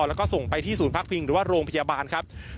แล้วก็ส่งไปที่ศูนย์พักพิงหรือว่าโรงพยาบาลครับ